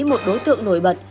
một đối tượng nổi bật